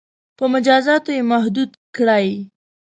• په مجازاتو یې محدود کړئ.